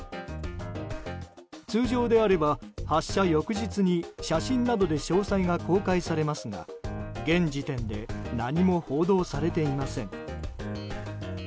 通常であれば発射翌日に写真などで詳細が公開されますが現時点で何も報道されていません。